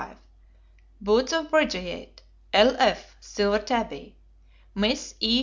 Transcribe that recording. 1225, Boots of Bridgeyate. L.F. Silver Tabby. Miss E.